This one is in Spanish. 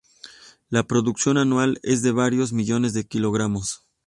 La producción anual es de varios millones de kilogramos.